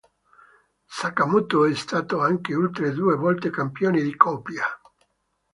Sakamoto è stato anche altre due volte campione di coppia.